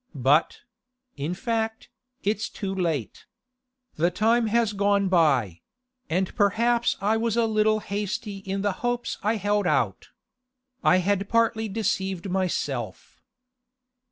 But—in fact, it's too late. The time has gone by; and perhaps I was a little hasty in the hopes I held out. I had partly deceived myself.